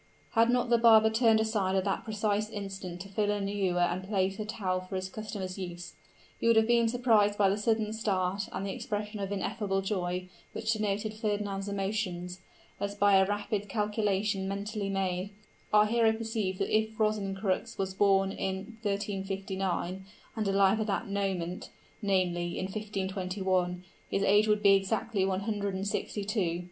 Had not the barber turned aside at that precise instant to fill an ewer and place a towel for his customer's use, he would have been surprised by the sudden start and the expression of ineffable joy which denoted Fernand's emotions, as by a rapid calculation mentally made, our hero perceived that if Rosencrux were born in 1359, and alive at that moment namely, in 1521 his age would be exactly one hundred and sixty two!